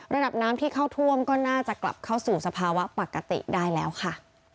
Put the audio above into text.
ระดับน้ำที่เข้าท่วมก็น่าจะกลับเข้าสู่สภาวะปกติได้แล้วค่ะ